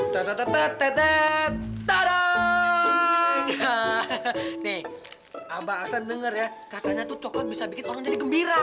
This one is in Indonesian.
te te te te te tarang hah nek abang asal denger ya katanya tuh coklat bisa bikin orang jadi gembira